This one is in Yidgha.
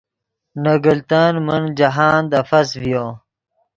نے گلتن من جاہند افس ڤیو